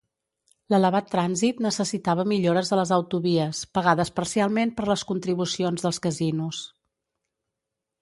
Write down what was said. L'elevat trànsit necessitava millores a les autovies, pagades parcialment per les contribucions dels casinos.